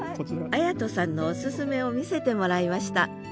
礼人さんのオススメを見せてもらいましたあ